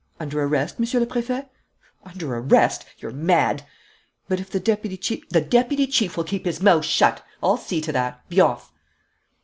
"Under arrest, Monsieur le Préfet?" "Under arrest? You're mad!" "But, if the deputy chief " "The deputy chief will keep his mouth shut. I'll see to that. Be off!"